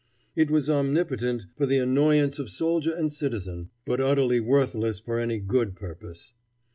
It was omnipotent for the annoyance of soldier and citizen, but utterly worthless for any good purpose.